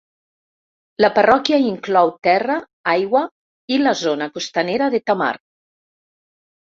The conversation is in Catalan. La parròquia inclou terra, aigua i la zona costanera de Tamar.